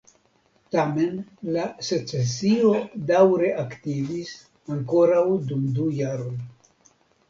Tamen la Secesio daŭre aktivis ankoraŭ dum du jaroj.